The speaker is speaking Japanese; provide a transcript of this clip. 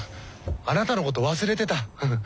あなたのこと忘れてたフフ。